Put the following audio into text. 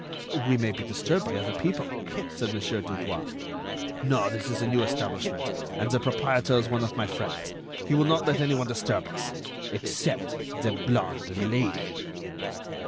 "We may be disturbed by other people," said Mon. Dudouis. "No. This is a new establishment, and the proprietor is one of my friends. He will not let anyone disturb us—except the blonde Lady."